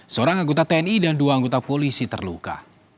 seorang anggota tni dan dua anggota polisi terluka